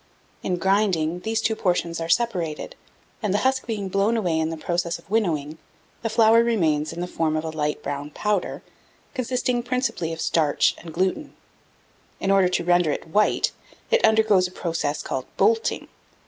In grinding, these two portions are separated, and the husk being blown away in the process of winnowing, the flour remains in the form of a light brown powder, consisting principally of starch and gluten. In order to render it white, it undergoes a process called "bolting."